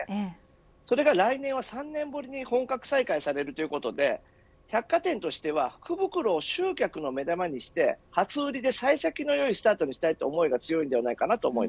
それが来年は３年ぶりに本格再開されるということで百貨店としては福袋を集客の目玉にして初売りで幸先の良いスタートにしたいという